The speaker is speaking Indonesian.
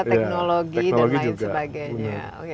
teknologi dan lain sebagainya